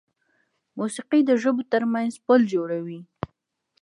موسیقي د ژبو تر منځ پل جوړوي.